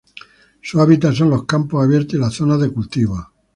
Su hábitat son los campos abiertos y las zonas de cultivo.